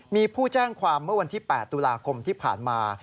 มีผู้แจ้งความเมื่อวันที่๘ตุลาคมที่ผ่านมา